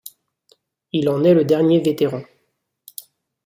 Il en est le dernier vétéran.